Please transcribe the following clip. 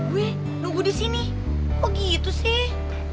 weh nunggu disini kok gitu sih